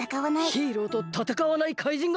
ヒーローとたたかわない怪人がいたって。